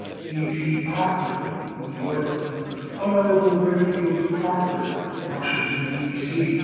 A. P. Proctor, New York. Hon. Redfield Proctor, Washington, D. C.